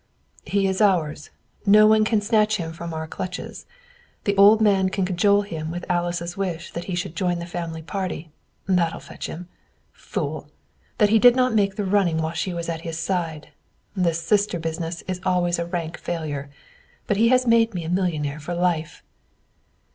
"He is ours. No one can snatch him from our clutches. The old man can cajole him with Alice's wish that he should join the family party. That'll fetch him. Fool! that he did not make the running while she was at his side. The 'Sister' business is always a rank failure. But he has made me a millionaire for life."